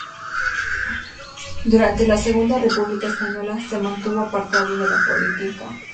Durante la Segunda República Española se mantuvo apartado de la política.